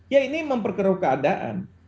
ya ini memperkeruh keadaan